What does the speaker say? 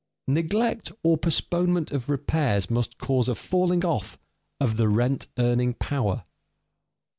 _Neglect or postponement of repairs must cause a falling off of the rent earning power.